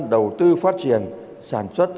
đầu tư phát triển sản xuất